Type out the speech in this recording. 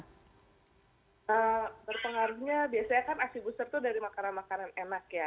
berpengaruhnya biasanya kan aksi booster itu dari makanan makanan enak ya